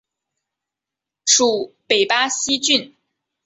属北巴西郡。